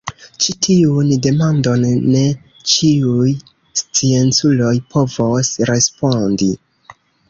Ĉi-tiun demandon ne ĉiuj scienculoj povos respondi.